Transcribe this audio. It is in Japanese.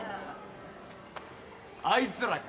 あいつらか？